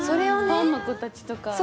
ファンの子たちとか。